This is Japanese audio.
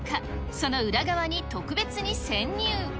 その裏側に特別に潜入。